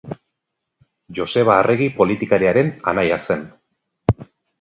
Joseba Arregi politikariaren anaia zen.